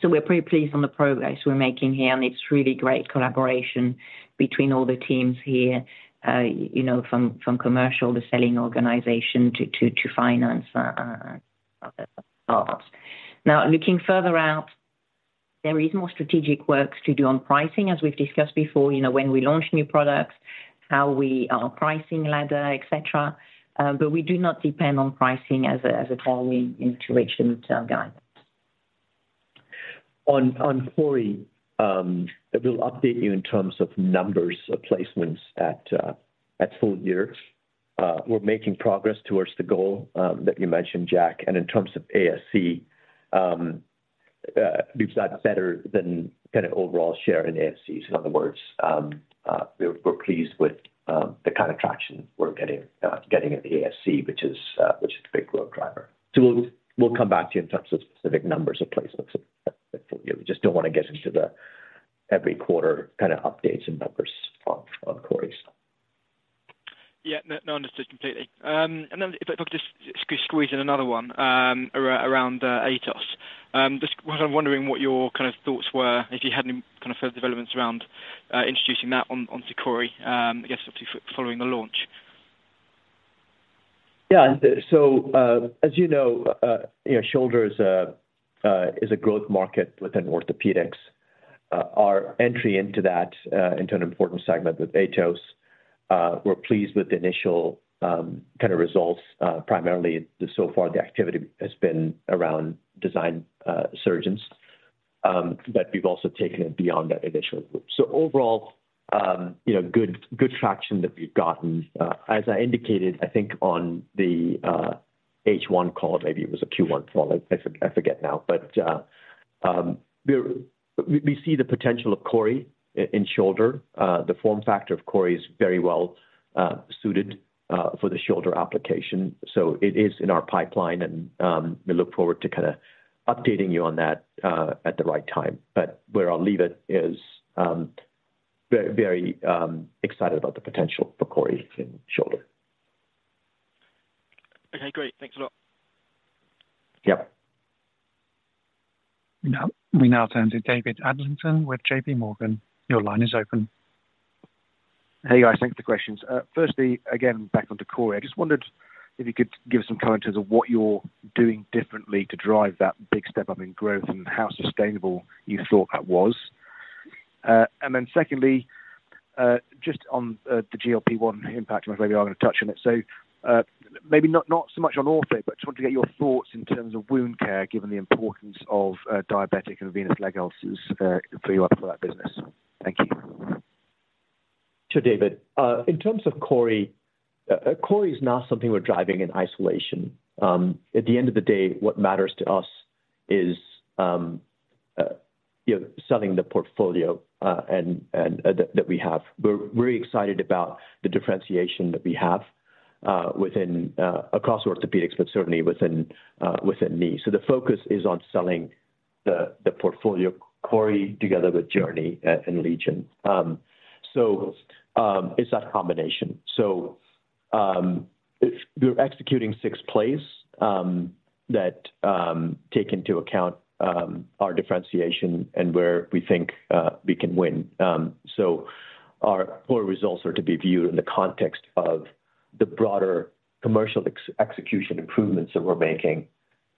Speaker 3: So we're pretty pleased on the progress we're making here, and it's really great collaboration between all the teams here, you know, from commercial, the selling organization, to finance parts. Now, looking further out, there is more strategic work to do on pricing, as we've discussed before, you know, when we launch new products, how we are pricing ladder, et cetera, but we do not depend on pricing as a, as a primary intuition to our guidance.
Speaker 2: On CORI, we'll update you in terms of numbers of placements at full year. We're making progress towards the goal that you mentioned, Jack. And in terms of ASC, we've got better than kind of overall share in ASC. In other words, we're pleased with the kind of traction we're getting at the ASC, which is a big growth driver. So we'll come back to you in terms of specific numbers of placements. We just don't want to get into the every quarter kind of updates and numbers of CORI.
Speaker 8: Yeah, no, no, understood completely. And then if I could just squeeze in another one, around AETOS. Just was wondering what your kind of thoughts were, if you had any kind of further developments around introducing that on to CORI, I guess, obviously following the launch.
Speaker 2: Yeah. So, as you know, you know, shoulder is a growth market within Orthopaedics. Our entry into that into an important segment with AETOS, we're pleased with the initial, kind of results. Primarily, so far, the activity has been around design surgeons, but we've also taken it beyond that initial group. So overall, you know, good, good traction that we've gotten. As I indicated, I think on the H1 call, maybe it was a Q1 call, I forget now. But, we see the potential of CORI in shoulder. The form factor of CORI is very well suited for the shoulder application, so it is in our pipeline, and, we look forward to kinda updating you on that at the right time. But where I'll leave it is, very, very, excited about the potential for CORI in shoulder.
Speaker 9: Okay, great. Thanks a lot.
Speaker 2: Yep.
Speaker 1: We now turn to David Adlington with J.P. Morgan. Your line is open.
Speaker 10: Hey, guys, thanks for the questions. Firstly, again, back on to CORI. I just wondered if you could give us some commentary of what you're doing differently to drive that big step up in growth and how sustainable you thought that was? And then secondly, just on, the GLP-1 impact, maybe I'm gonna touch on it. So, maybe not, not so much on ortho, but just want to get your thoughts in terms of wound care, given the importance of, diabetic and venous leg ulcers, for you for that business. Thank you.
Speaker 2: Sure, David. In terms of CORI, CORI is not something we're driving in isolation. At the end of the day, what matters to us is, you know, selling the portfolio, and that we have. We're very excited about the differentiation that we have within across Orthopaedics, but certainly within knee. So the focus is on selling the portfolio, CORI, together with JOURNEY and LEGION. So it's that combination. So if we're executing six plays that take into account our differentiation and where we think we can win. So our poor results are to be viewed in the context of the broader commercial execution improvements that we're making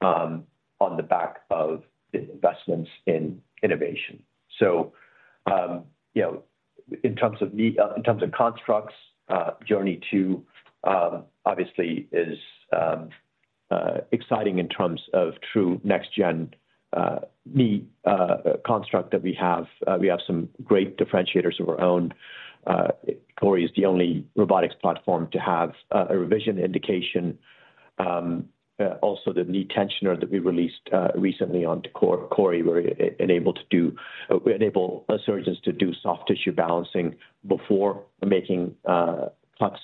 Speaker 2: on the back of the investments in innovation. So, you know, in terms of knee, in terms of constructs, JOURNEY II obviously is exciting in terms of true next-gen knee construct that we have. We have some great differentiators of our own. CORI is the only robotics platform to have a revision indication. Also the knee tensioner that we released recently onto CORI, where enabled to enable surgeons to do soft tissue balancing before making cuts.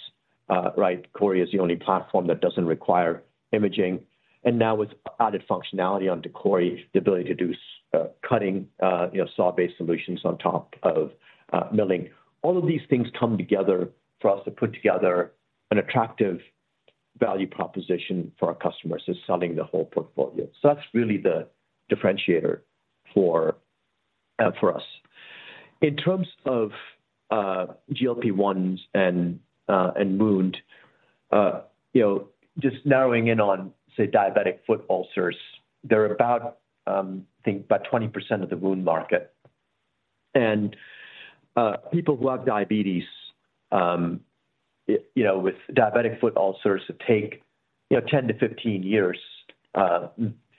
Speaker 2: Right, CORI is the only platform that doesn't require imaging. And now with added functionality onto CORI, the ability to do cutting, you know, saw-based solutions on top of milling. All of these things come together for us to put together an attractive value proposition for our customers is selling the whole portfolio. So that's really the differentiator for us. In terms of GLP-1s and wound, you know, just narrowing in on, say, diabetic foot ulcers, they're about, I think, about 20% of the wound market. And people who have diabetes, it, you know, with diabetic foot ulcers, it take, you know, 10-15 years,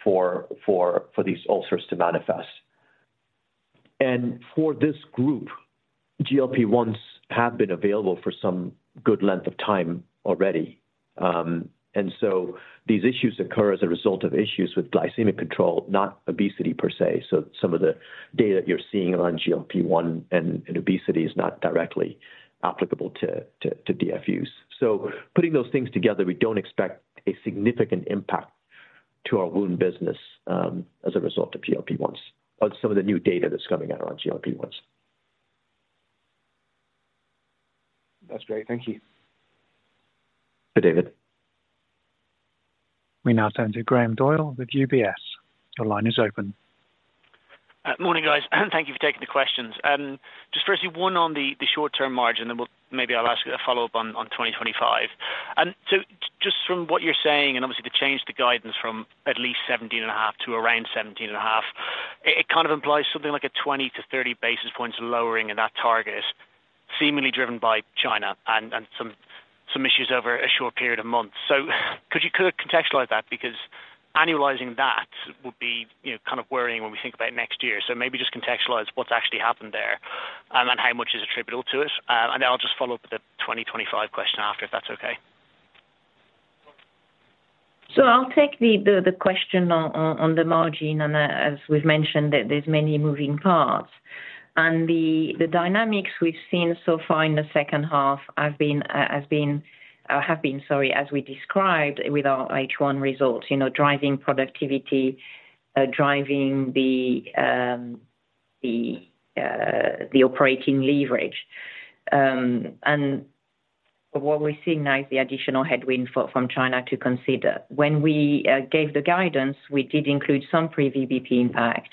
Speaker 2: for these ulcers to manifest. And for this group, GLP-1s have been available for some good length of time already. And so these issues occur as a result of issues with glycemic control, not obesity per se. So some of the data you're seeing on GLP-1 and obesity is not directly applicable to DFUs. So putting those things together, we don't expect a significant impact to our wound business, as a result of GLP-1s, or some of the new data that's coming out on GLP-1s.
Speaker 10: That's great. Thank you.
Speaker 2: Bye, David.
Speaker 1: We now turn to Graham Doyle with UBS. Your line is open.
Speaker 9: Morning, guys, thank you for taking the questions. Just firstly, one on the short-term margin, then we'll maybe I'll ask a follow-up on 2025. And so just from what you're saying, and obviously the change to guidance from at least 17.5 to around 17.5, it kind of implies something like a 20-30 basis points lowering, and that target is seemingly driven by China and some issues over a short period of months. So could you kind of contextualize that? Because annualizing that would be, you know, kind of worrying when we think about next year. So maybe just contextualize what's actually happened there, and then how much is attributable to it. And then I'll just follow up with the 2025 question after, if that's okay.
Speaker 3: So I'll take the question on the margin, and as we've mentioned, that there's many moving parts. And the dynamics we've seen so far in the second half have been, sorry, as we described with our H1 results, you know, driving productivity, driving the operating leverage. And what we're seeing now is the additional headwind from China to consider. When we gave the guidance, we did include some pre-VBP impact,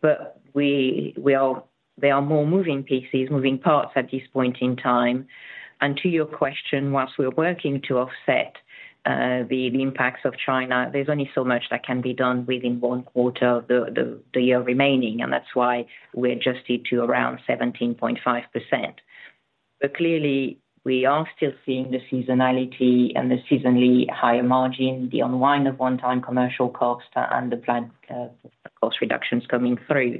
Speaker 3: but we are there are more moving pieces, moving parts at this point in time. And to your question, whilst we're working to offset the impacts of China, there's only so much that can be done within one quarter of the year remaining, and that's why we adjusted to around 17.5%. But clearly, we are still seeing the seasonality and the seasonally higher margin, the unwind of one-time commercial costs and the planned cost reductions coming through.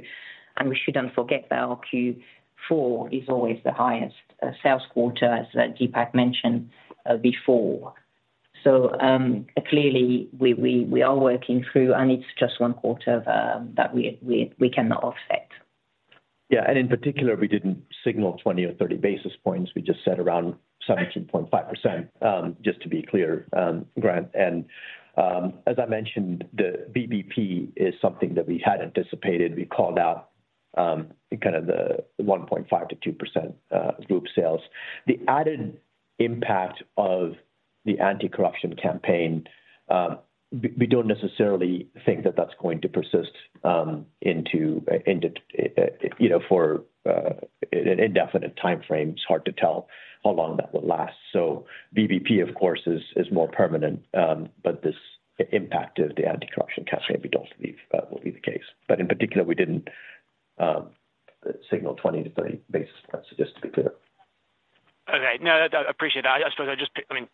Speaker 3: We shouldn't forget that our Q4 is always the highest sales quarter, as Deepak mentioned before. Clearly, we are working through, and it's just one quarter that we cannot offset.
Speaker 2: Yeah, and in particular, we didn't signal 20 or 30 basis points. We just said around 17.5%, just to be clear, Graham. And, as I mentioned, the VBP is something that we had anticipated. We called out kind of the 1.5%-2% group sales. The added impact of the anti-corruption campaign, we don't necessarily think that that's going to persist into you know, for an indefinite time frame. It's hard to tell how long that will last. So VBP, of course, is more permanent. But this impact of the anti-corruption campaign, we don't believe that will be the case. But in particular, we didn't signal 20-30 basis points, just to be clear.
Speaker 9: Okay. No, I, I appreciate that. I suppose I just, I mean,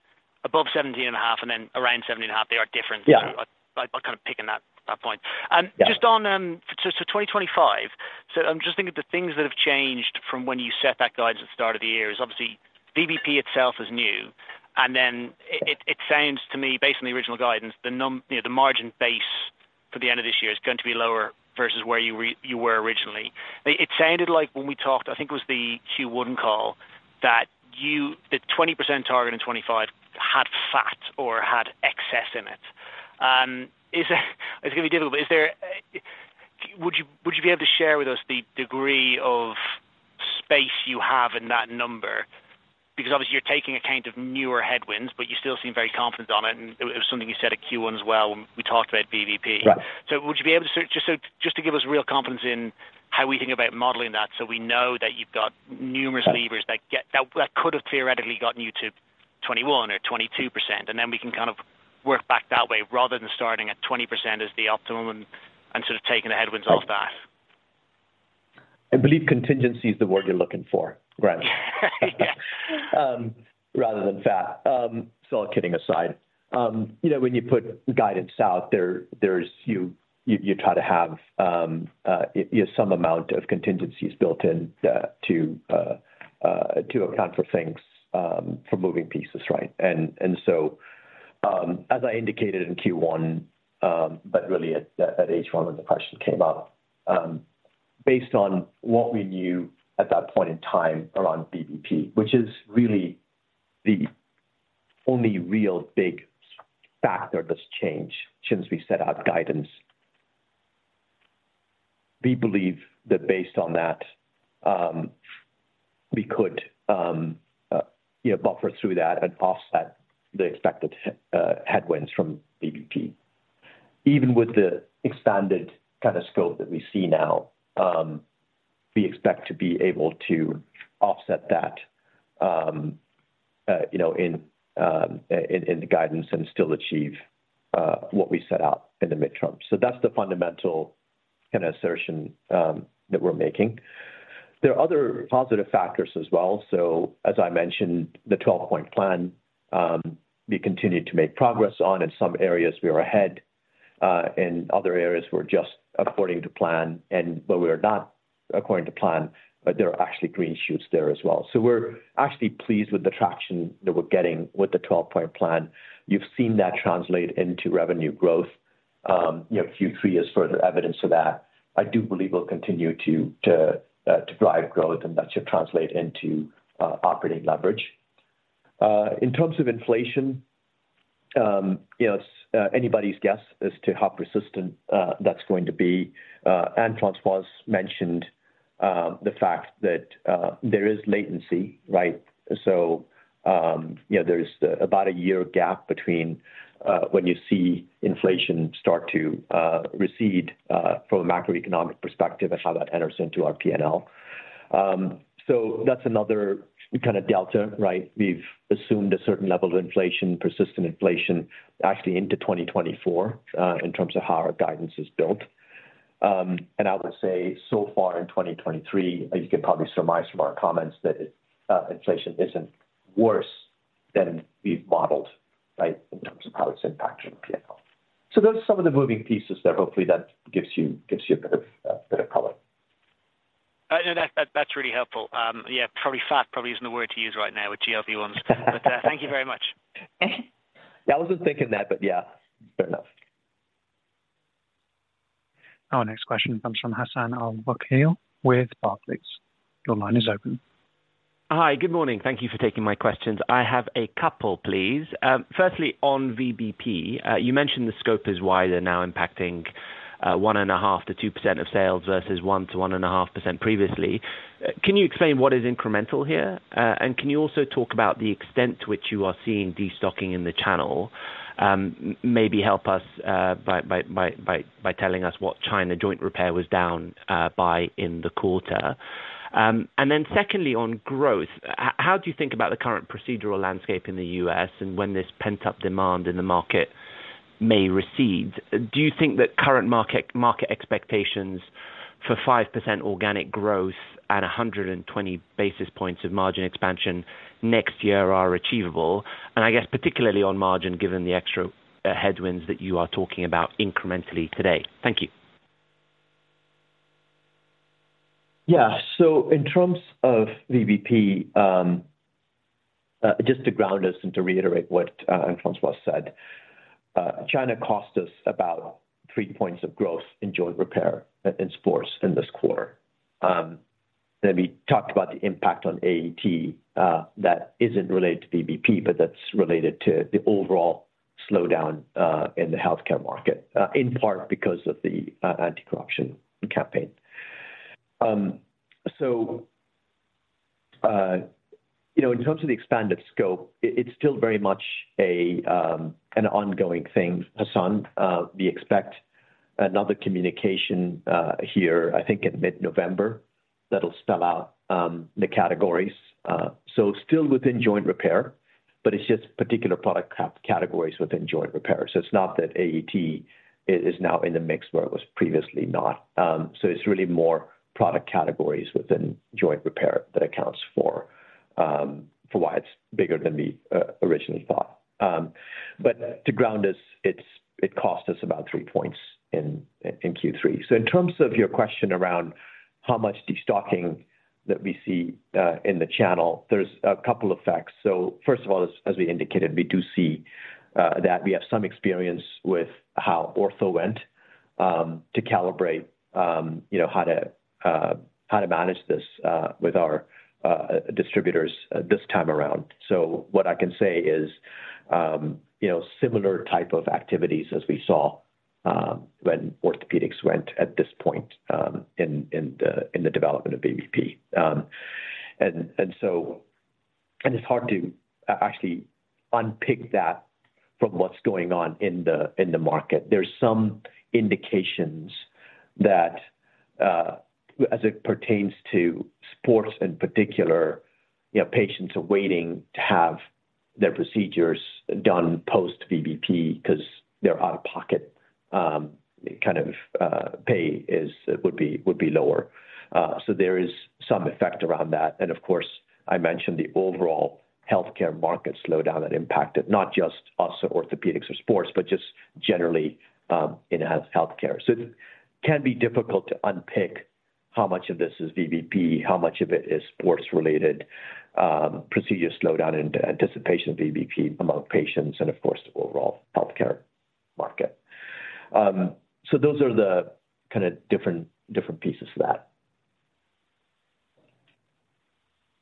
Speaker 9: above 17.5, and then around 17.5, there are differences-
Speaker 2: Yeah.
Speaker 9: By kind of picking that point.
Speaker 2: Yeah.
Speaker 9: Just on, so 2025. So I'm just thinking the things that have changed from when you set that guidance at the start of the year is obviously, VBP itself is new, and then it sounds to me, based on the original guidance, you know, the margin base for the end of this year is going to be lower versus where you were originally. It sounded like when we talked, I think it was the Q1 call, that you—the 20% target in 2025 had fat or had excess in it. Is it gonna be difficult, but is there a... Would you be able to share with us the degree of space you have in that number? Because obviously, you're taking account of newer headwinds, but you still seem very confident on it, and it was something you said at Q1 as well, when we talked about VBP.
Speaker 2: Right.
Speaker 9: So would you be able to just to give us real confidence in how we think about modeling that, so we know that you've got numerous levers that could have theoretically gotten you to 21% or 22%, and then we can kind of work back that way, rather than starting at 20% as the optimum and sort of taking the headwinds off that.
Speaker 2: I believe contingency is the word you're looking for, Grant. Rather than fat. So all kidding aside, you know, when you put guidance out there, there's you try to have you know some amount of contingencies built in to account for things for moving pieces, right? So as I indicated in Q1, but really at H1 when the question came up, based on what we knew at that point in time around VBP, which is really the only real big factor that's changed since we set out guidance. We believe that based on that, we could you know buffer through that and offset the expected headwinds from VBP. Even with the expanded kind of scope that we see now, we expect to be able to offset that, you know, in the guidance and still achieve what we set out in the mid-term. So that's the fundamental kind of assertion that we're making. There are other positive factors as well. So as I mentioned, the 12-Point Plan, we continued to make progress on. In some areas, we are ahead, in other areas, we're just according to plan, and but we are not according to plan, but there are actually green shoots there as well. So we're actually pleased with the traction that we're getting with the 12-Point Plan. You've seen that translate into revenue growth. You know, Q3 is further evidence of that. I do believe we'll continue to drive growth, and that should translate into operating leverage. In terms of inflation, you know, it's anybody's guess as to how persistent that's going to be. And Anne-Françoise mentioned the fact that there is latency, right? So, you know, there's about a year gap between when you see inflation start to recede from a macroeconomic perspective and how that enters into our P&L. So that's another kind of delta, right? We've assumed a certain level of inflation, persistent inflation, actually into 2024, in terms of how our guidance is built. And I would say, so far in 2023, you can probably surmise from our comments that inflation isn't worse than we've modeled, right, in terms of how it's impacting P&L. Those are some of the moving pieces there. Hopefully, that gives you a bit of color.
Speaker 9: No, that's really helpful. Yeah, probably fat isn't the word to use right now with GLP-1s, but thank you very much.
Speaker 2: Yeah, I wasn't thinking that, but yeah, fair enough.
Speaker 1: Our next question comes from Hassan Al-Wakeel with Barclays. Your line is open.
Speaker 11: Hi, good morning. Thank you for taking my questions. I have a couple, please. Firstly, on VBP, you mentioned the scope is wider now, impacting 1.5%-2% of sales versus 1%-1.5% previously. Can you explain what is incremental here? And can you also talk about the extent to which you are seeing destocking in the channel? Maybe help us by telling us what China joint repair was down by in the quarter. And then secondly, on growth, how do you think about the current procedural landscape in the U.S. and when this pent-up demand in the market may recede? Do you think that current market expectations for 5% organic growth at 120 basis points of margin expansion next year are achievable? I guess particularly on margin, given the extra headwinds that you are talking about incrementally today. Thank you.
Speaker 2: Yeah. So in terms of VBP, just to ground us and to reiterate what Françoise said, China cost us about 3 points of growth in joint repair and sports in this quarter. Then we talked about the impact on AET, that isn't related to VBP, but that's related to the overall slowdown in the healthcare market, in part because of the anti-corruption campaign. So, you know, in terms of the expanded scope, it's still very much an ongoing thing, Hassan. We expect another communication here, I think, in mid-November, that'll spell out the categories. So still within joint repair, but it's just particular product categories within joint repair. So it's not that AET is now in the mix where it was previously not. So it's really more product categories within joint repair that accounts for for why it's bigger than we originally thought. But to ground us, it cost us about 3 points in Q3. So in terms of your question around how much destocking that we see in the channel, there's a couple effects. So first of all, as we indicated, we do see that we have some experience with how ortho went to calibrate, you know, how to manage this with our distributors this time around. So what I can say is, you know, similar type of activities as we saw when Orthopaedics went at this point in the development of VBP. It's hard to actually unpick that from what's going on in the market. There's some indications that, as it pertains to sports in particular, you know, patients are waiting to have their procedures done post-VBP because their out-of-pocket kind of pay would be lower. So there is some effect around that. And of course, I mentioned the overall healthcare market slowdown that impacted not just us, Orthopaedics or sports, but just generally in healthcare. So it can be difficult to unpick how much of this is VBP, how much of it is sports-related procedure slowdown in anticipation of VBP among patients and of course, the overall healthcare market. So those are the kind of different pieces to that.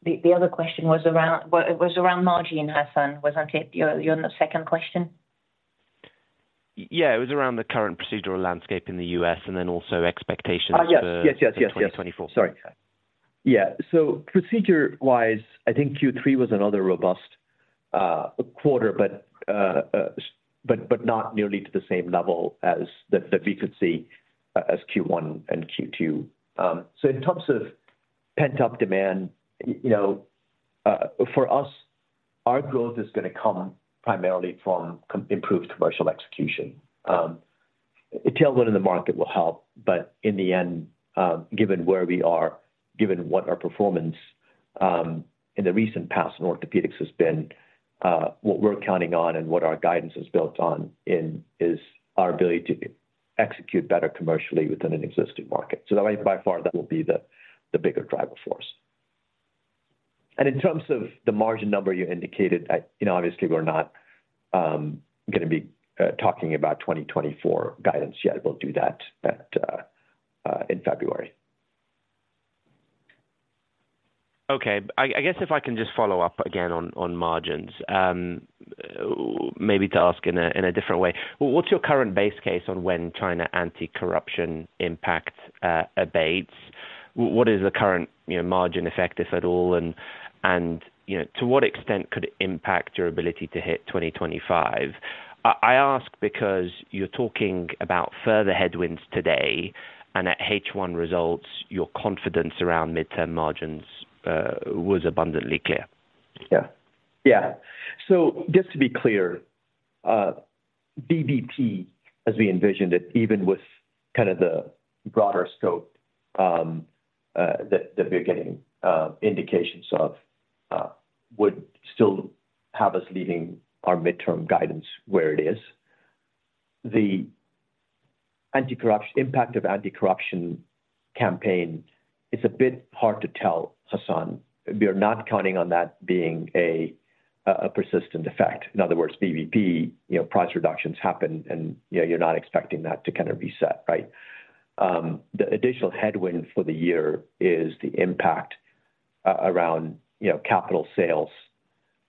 Speaker 3: The other question was around, well, it was around margin, Hassan, wasn't it? Your second question.
Speaker 11: Yeah, it was around the current procedural landscape in the U.S., and then also expectations for-
Speaker 2: Ah, yes. Yes, yes, yes.
Speaker 11: Twenty twenty-four.
Speaker 2: Sorry. Yeah. So procedure-wise, I think Q3 was another robust quarter, but not nearly to the same level as that we could see in Q1 and Q2. So in terms of pent-up demand, you know, for us, our growth is going to come primarily from improved commercial execution. A tailwind in the market will help, but in the end, given where we are, given what our performance in the recent past in Orthopaedics has been, what we're counting on and what our guidance is built on is our ability to execute better commercially within an existing market. So that by far that will be the bigger driver force. In terms of the margin number you indicated, you know, obviously, we're not going to be talking about 2024 guidance yet. We'll do that in February.
Speaker 11: Okay. I guess if I can just follow up again on margins, maybe to ask in a different way, what's your current base case on when China anti-corruption impact abates? What is the current, you know, margin effect, if at all, and you know, to what extent could it impact your ability to hit 2025? I ask because you're talking about further headwinds today, and at H1 results, your confidence around midterm margins was abundantly clear.
Speaker 2: Yeah. Yeah. So just to be clear, VBP, as we envisioned it, even with kind of the broader scope, that we're getting indications of, would still have us leaving our midterm guidance where it is. The anti-corruption impact of anti-corruption campaign, it's a bit hard to tell, Hassan. We are not counting on that being a persistent effect. In other words, VBP, you know, price reductions happen, and, you know, you're not expecting that to kind of be set, right? The additional headwind for the year is the impact around, you know, capital sales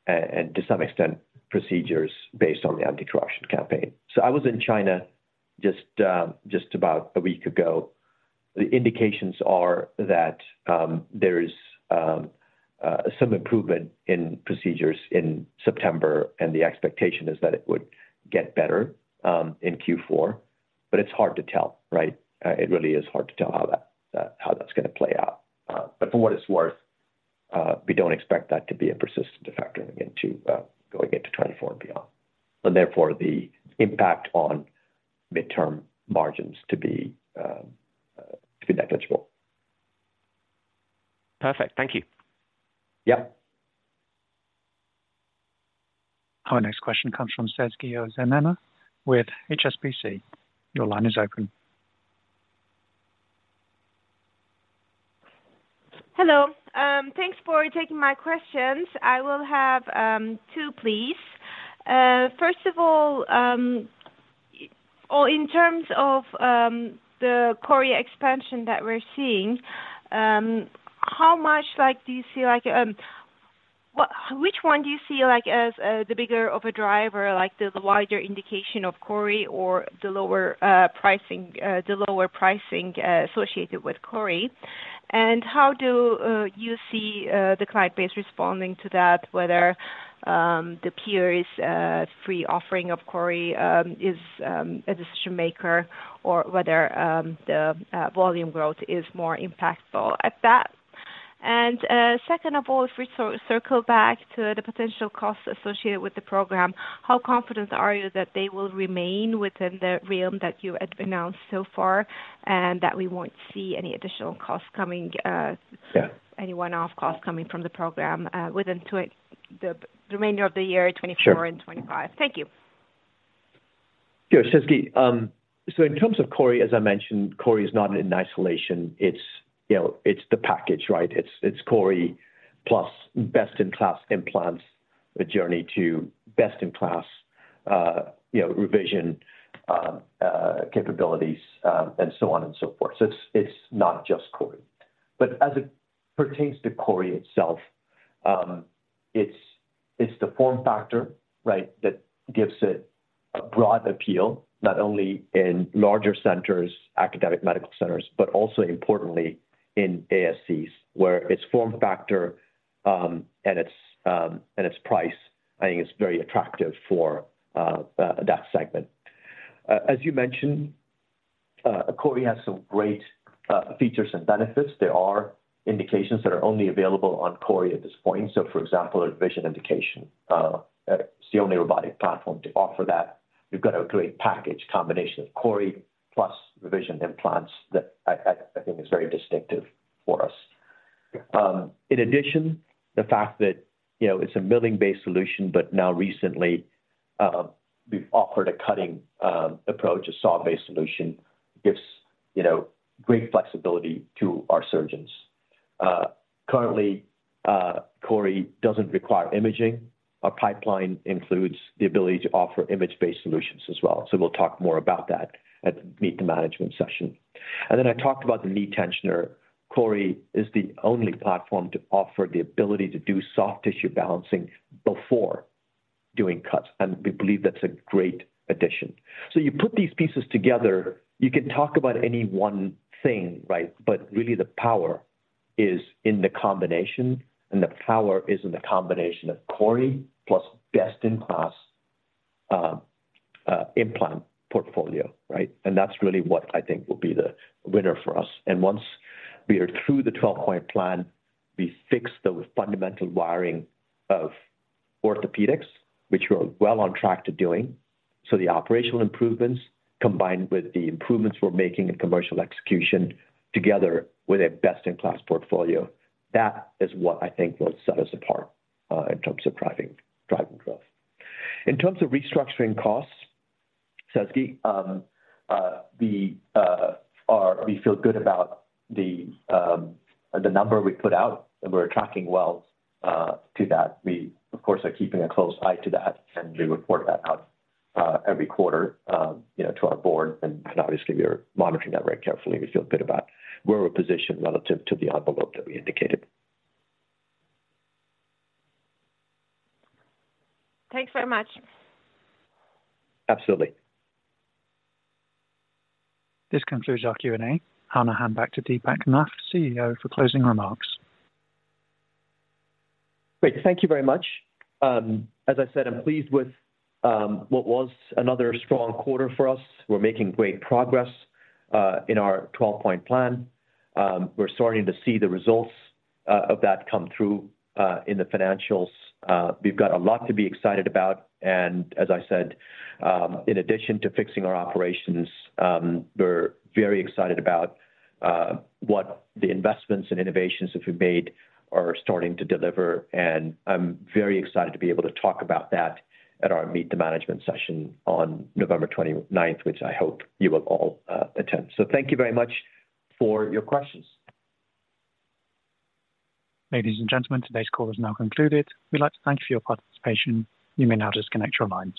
Speaker 2: and to some extent, procedures based on the anti-corruption campaign. So I was in China just about a week ago. The indications are that there is some improvement in procedures in September, and the expectation is that it would get better in Q4, but it's hard to tell, right? It really is hard to tell how that's gonna play out. But for what it's worth, we don't expect that to be a persistent factor again to going into 2024 and beyond, and therefore, the impact on midterm margins to be negligible.
Speaker 12: Perfect. Thank you.
Speaker 2: Yep.
Speaker 1: Our next question comes from Sezgi Oezener with HSBC. Your line is open.
Speaker 12: Hello, thanks for taking my questions. I will have two, please. First of all, in terms of the CORI expansion that we're seeing, how much, like, do you see, like, which one do you see, like, as the bigger of a driver, like, the wider indication of CORI or the lower pricing associated with CORI? And how do you see the client base responding to that, whether the peers free offering of CORI is a decision maker, or whether the volume growth is more impactful at that? Second of all, if we circle back to the potential costs associated with the program, how confident are you that they will remain within the realm that you had announced so far, and that we won't see any additional costs coming?
Speaker 2: Yeah.
Speaker 12: Any one-off costs coming from the program within the remainder of the year.
Speaker 2: Sure.
Speaker 12: 2024 and 2025. Thank you.
Speaker 2: Yeah, Sezgi, so in terms of CORI, as I mentioned, CORI is not in isolation. It's, you know, it's the package, right? It's, it's CORI plus best-in-class implants, JOURNEY II best-in-class, you know, revision, capabilities, and so on and so forth. So it's, it's not just CORI. But as it pertains to CORI itself, it's, it's the form factor, right, that gives it a broad appeal, not only in larger centers, academic medical centers, but also importantly in ASCs, where its form factor, and its, and its price, I think is very attractive for, that segment. As you mentioned, CORI has some great, features and benefits. There are indications that are only available on CORI at this point. So, for example, a revision indication, it's the only robotic platform to offer that. We've got a great package combination of CORI plus revision implants that I think is very distinctive for us. In addition, the fact that, you know, it's a milling-based solution, but now recently, we've offered a cutting approach, a saw-based solution, gives, you know, great flexibility to our surgeons. Currently, CORI doesn't require imaging. Our pipeline includes the ability to offer image-based solutions as well, so we'll talk more about that at the Meet the Management session. And then I talked about the knee tensioner. CORI is the only platform to offer the ability to do soft tissue balancing before doing cuts, and we believe that's a great addition. So you put these pieces together, you can talk about any one thing, right? But really the power is in the combination, and the power is in the combination of CORI plus best-in-class implant portfolio, right? And that's really what I think will be the winner for us. And once we are through the 12-point plan, we fix the fundamental wiring of Orthopaedics, which we're well on track to doing. So the operational improvements, combined with the improvements we're making in commercial execution, together with a best-in-class portfolio, that is what I think will set us apart in terms of driving growth. In terms of restructuring costs, Sezgi, we feel good about the number we put out, and we're tracking well to that. We, of course, are keeping a close eye to that, and we report that out every quarter, you know, to our board. And obviously, we are monitoring that very carefully. We feel good about where we're positioned relative to the envelope that we indicated.
Speaker 12: Thanks very much.
Speaker 2: Absolutely.
Speaker 1: This concludes our Q&A. I'm going to hand back to Deepak Nath, CEO, for closing remarks.
Speaker 2: Great. Thank you very much. As I said, I'm pleased with what was another strong quarter for us. We're making great progress in our 12-Point Plan. We're starting to see the results of that come through in the financials. We've got a lot to be excited about, and as I said, in addition to fixing our operations, we're very excited about what the investments and innovations that we've made are starting to deliver, and I'm very excited to be able to talk about that at our Meet the Management session on November twenty-ninth, which I hope you will all attend. So thank you very much for your questions.
Speaker 1: Ladies and gentlemen, today's call is now concluded. We'd like to thank you for your participation. You may now disconnect your lines.